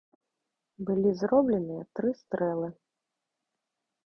Былі зробленыя тры стрэлы.